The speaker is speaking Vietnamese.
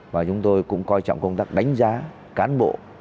và chúng tôi cũng coi trọng công tác đánh giá cán bộ